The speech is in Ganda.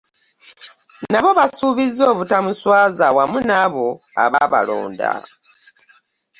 Nabo basuubizza obutamuswaza wamu n'abo abaabalonda